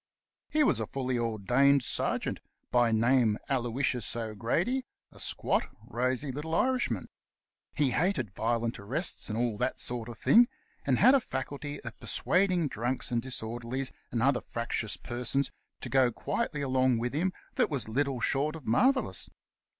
He was a fully ordained sergeant — by name Aloysius O'Grady; a squat, rosy little Irishman. He hated violent arrests and all that sort of thing, and had a faculty of per suading drunks and disorderlies and other fractious persons to "go quietly along wid him," that was little short of mar vellous.